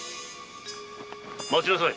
待ちなさい